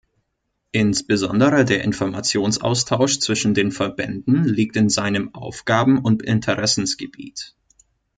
Insbesondere der Informationsaustausch zwischen den Verbänden liegt in seinem Aufgaben- und Interessensgebiet.